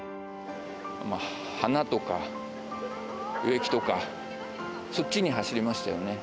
花とか植木とか、そっちに走りましたよね。